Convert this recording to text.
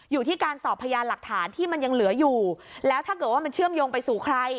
อยู่ที่การสอบพยานหลักฐานที่มันยังเหลืออยู่แล้วถ้าเกิดว่ามันเชื่อมโยงไปสู่ใคร